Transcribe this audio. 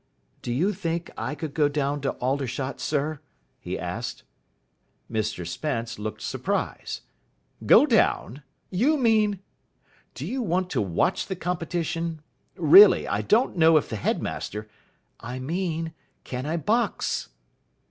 "Do you think I could go down to Aldershot, sir?" he asked. Mr Spence looked surprised. "Go down? You mean ? Do you want to watch the competition? Really, I don't know if the headmaster " "I mean, can I box?"